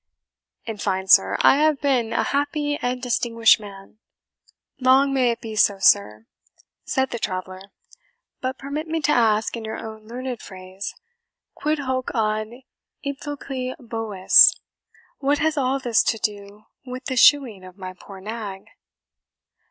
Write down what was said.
In fine, sir, I have been a happy and distinguished man." "Long may it be so, sir!" said the traveller; "but permit me to ask, in your own learned phrase, QUID HOC AD IPHYCLI BOVES? what has all this to do with the shoeing of my poor nag?"